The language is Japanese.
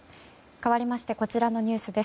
かわりましてこちらのニュースです。